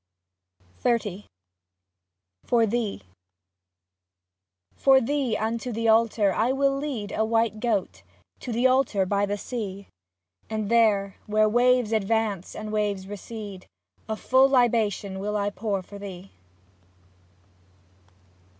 41 XXX FOR THEE For thee, unto the altar will I lead A white goat — To the altar by the sea; And there, where waves advance and waves recede, A full libation will I pour for thee.